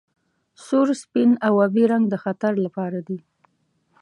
سور سپین او ابي رنګ د خطر لپاره دي.